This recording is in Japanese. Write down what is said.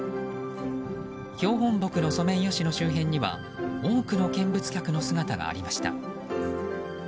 標本木のソメイヨシノ周辺には多くの見物客の姿がありました。